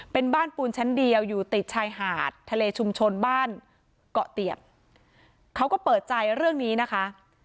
เป็นบ้านปูนชั้นเดียวอยู่ติดชายหาดทะเลชุมชนบ้านเกาะเตียบเขาก็เปิดใจเรื่องนี้นะคะ